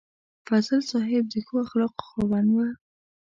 فضل صاحب د ښو اخلاقو خاوند و.